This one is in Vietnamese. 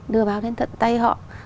đưa báo đến tận tay họ